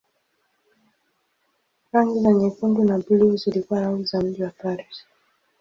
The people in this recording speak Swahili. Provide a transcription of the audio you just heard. Rangi za nyekundu na buluu zilikuwa rangi za mji wa Paris.